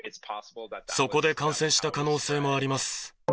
そこで感染した可能性もあります。